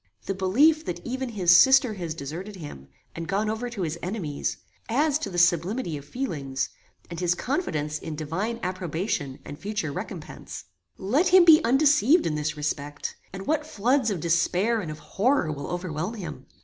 The belief that even his sister has deserted him, and gone over to his enemies, adds to his sublimity of feelings, and his confidence in divine approbation and future recompense. "Let him be undeceived in this respect, and what floods of despair and of horror will overwhelm him!